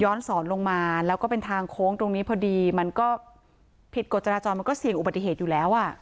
สอนลงมาแล้วก็เป็นทางโค้งตรงนี้พอดีมันก็ผิดกฎจราจรมันก็เสี่ยงอุบัติเหตุอยู่แล้วอ่ะ